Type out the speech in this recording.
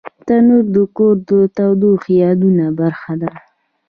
تنور د کور د تودو یادونو برخه ده